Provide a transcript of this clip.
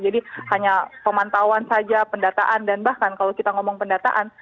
jadi hanya pemantauan saja pendataan dan bahkan kalau kita ngomong pendataan